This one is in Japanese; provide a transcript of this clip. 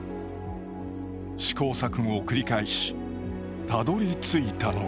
試行錯誤を繰り返したどりついたのが。